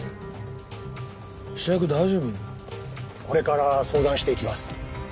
これから相談していきます。